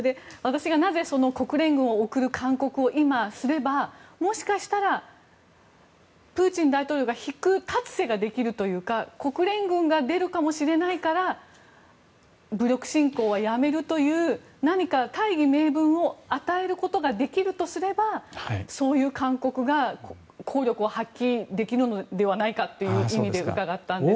国連軍を送る勧告を今すれば、もしかしたらプーチン大統領が引く立つ瀬ができるというか国連軍が出るかもしれないから武力侵攻はやめるという何か、大義名分を与えることができるとすればそういう勧告が効力を発揮できるのではないかという意味で伺ったんですが。